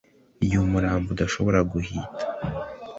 igihe umurambo udashobora guhita